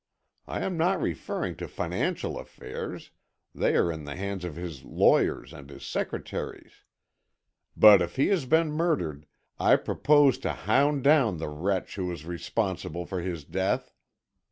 I am not referring to financial affairs, they are in the hands of his lawyer and his secretaries. But if he has been murdered, I propose to hound down the wretch who is responsible for his death.